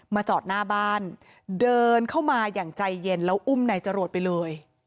จอดหน้าบ้านเดินเข้ามาอย่างใจเย็นแล้วอุ้มนายจรวดไปเลย